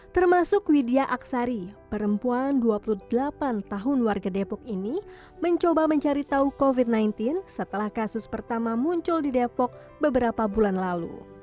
termasuk widya aksari perempuan dua puluh delapan tahun warga depok ini mencoba mencari tahu covid sembilan belas setelah kasus pertama muncul di depok beberapa bulan lalu